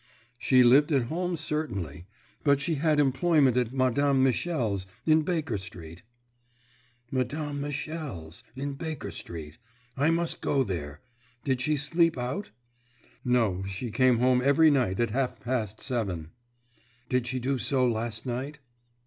"She lived at home certainly, but she had employment at Madame Michel's, in Baker Street." "Madame Michel's, in Baker Street. I must go there. Did she sleep out?" "No; she came home every night at half past seven." "Did she do so last night?"